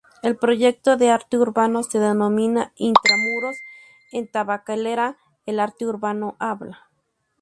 El proyecto de arte urbano se denomina "IntraMuros en Tabacalera: el arte urbano habla.